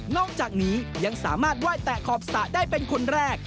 จากนี้ยังสามารถไหว้แตะขอบสระได้เป็นคนแรก